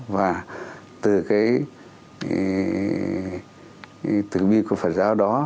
và từ cái từ bi của phật giáo đó